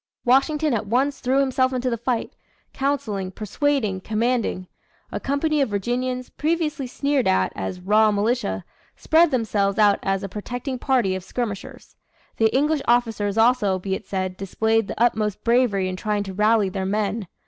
Washington at once threw himself into the fight counselling, persuading, commanding. A company of Virginians, previously sneered at as "raw militia," spread themselves out as a protecting party of skirmishers. The English officers, also, be it said, displayed the utmost bravery in trying to rally their men.